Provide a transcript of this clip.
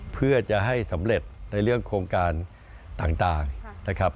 เพื่อจะให้สำเร็จในเรื่องโครงการต่างนะครับ